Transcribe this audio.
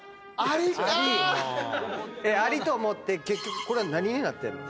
アリと思って結局これは何になってんの？